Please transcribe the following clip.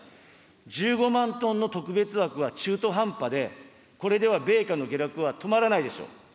１５万トンの特別枠は中途半端で、これでは米価の下落は止まらないでしょう。